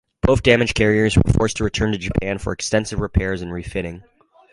Both damaged carriers were forced to return to Japan for extensive repairs and refitting.